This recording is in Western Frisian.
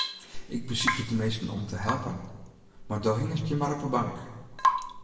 Ik besykje teminsten om te helpen, mar do hingest hjir mar op 'e bank.